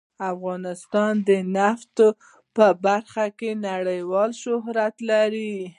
افغانستان د نفت په برخه کې نړیوال شهرت لري.